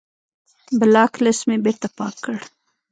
بلاک لست مې بېرته پاک کړ.